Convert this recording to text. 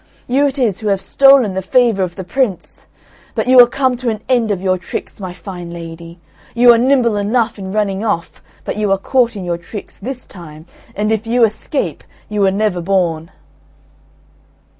You it is who have stolen the favour of the Prince! But you are come to an end of your tricks, my fine lady! You are nimble enough in running off, but you are caught in your tricks this time, and if you escape, you were never born."